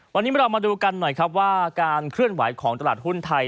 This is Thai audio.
วันนี้เรามาดูกันหน่อยครับว่าการเคลื่อนไหวของตลาดหุ้นไทย